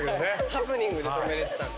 ハプニングで止められてたんで。